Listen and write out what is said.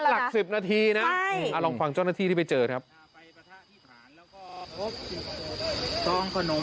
นี่หลัก๑๐นาทีนะลองฟังเจ้าหน้าที่ที่ไปเจอนะครับคุณผู้ชม